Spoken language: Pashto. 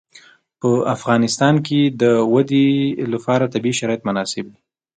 په افغانستان کې د وادي لپاره طبیعي شرایط مناسب دي.